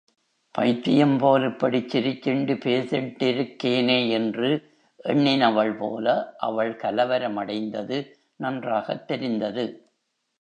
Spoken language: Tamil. பைத்தியம்போல் இப்படிச் சிரிச்சுண்டு பேசிண்டிருக்கேனே! என்று எண்ணினவள் போல அவள் கலவரமடைந்தது நன்றாகத் தெரிந்தது.